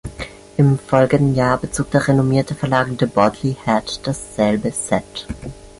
Im folgenden Jahr bezog der renommierte Verlag "The Bodley Head" dasselbe "set".